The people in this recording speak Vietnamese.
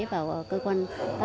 vào cơ quan